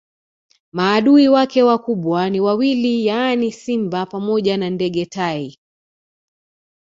Maadui wake wakubwa ni wawili yaani simba pamoja na ndege tai